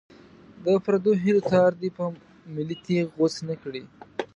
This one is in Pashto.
د پردو هیلو تار دې په ملي تېغ غوڅ نه کړي.